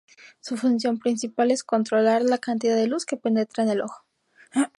Su función principal es controlar la cantidad de luz que penetra en el ojo.